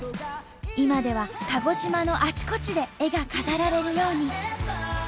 今では鹿児島のあちこちで絵が飾られるように。